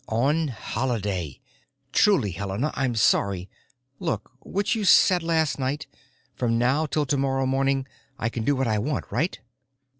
"On Holiday. Truly, Helena, I'm sorry. Look, what you said last night—from now till tomorrow morning, I can do what I want, right?"